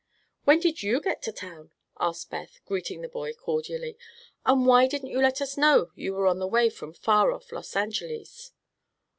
"When did you get to town?" asked Beth, greeting the boy cordially. "And why didn't you let us know you were on the way from far off Los Angeles?"